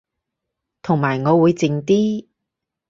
同埋我會靜啲